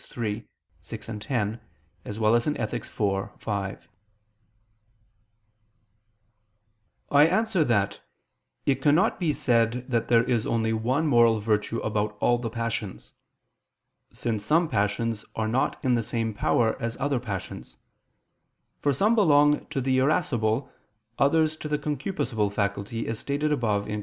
_ iii, 6, 10; iv, 5. I answer that, It cannot be said that there is only one moral virtue about all the passions: since some passions are not in the same power as other passions; for some belong to the irascible, others to the concupiscible faculty, as stated above (Q.